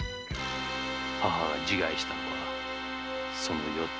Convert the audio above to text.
母が自害したのはその夜だ。